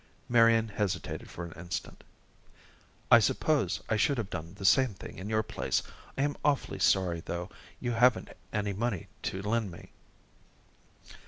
Marian hesitated for an instant. "I suppose I should have done the same thing in your place. I am awfully sorry, though, you haven't any money to lend me."